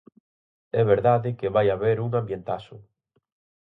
É verdade que vai haber un ambientazo.